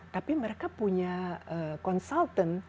tapi mereka punya consultant